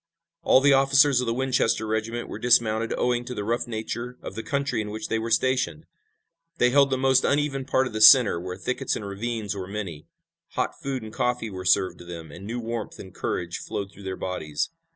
All the officers of the Winchester regiment were dismounted owing to the rough nature of the country in which they were stationed. They held the most uneven part of the center, where thickets and ravines were many. Hot food and coffee were served to them, and new warmth and courage flowed through their bodies.